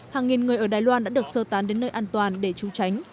hàng nghìn người ở đài loan đã được sơ tán đến nơi an toàn để trú tránh